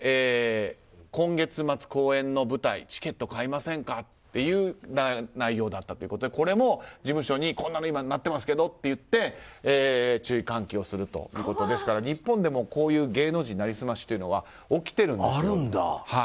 今月末、公演の舞台チケット買いませんかという内容だったということでこれも事務所にこんなの今なってますけどっとなって注意喚起をするということで日本でもこういう芸能人の成り済ましというのは起きているんですね。